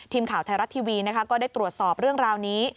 ทีมข่าวไทยรัฐทีวีก็ได้ตรวจสอบเรื่องราวนี้